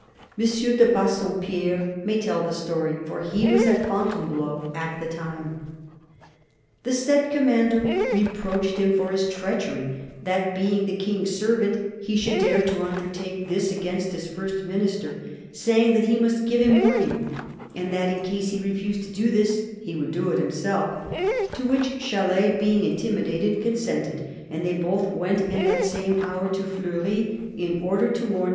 M. de Bassompierre may tell the story, for he was at Fontainebleau at the time. " The said Commander reproached him for his treachery, that being the King's servant he should dare to under take this against his First Minister ; saying that he must give him warning, and that in case he refused to do this he would do it himself: to which Chalais, being intimi dated, consented; and they both went in that same hour to Fleury, in order to warn M.